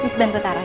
miss bantu taruh ya